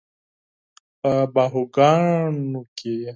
په باهوګانو کې یې